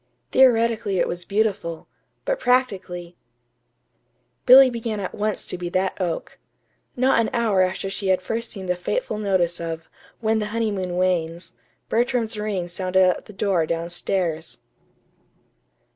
Theoretically it was beautiful; but practically Billy began at once to be that oak. Not an hour after she had first seen the fateful notice of "When the Honeymoon Wanes," Bertram's ring sounded at the door down stairs.